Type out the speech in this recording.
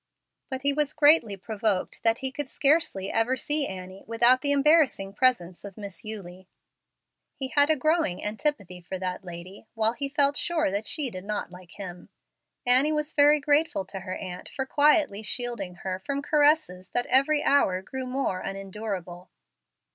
But he was greatly provoked that he could scarcely ever see Annie without the embarrassing presence of Miss Eulie. He had a growing antipathy for that lady, while he felt sure that she did not like him. Annie was very grateful to her aunt for quietly shielding her from caresses that every hour grew more unendurable.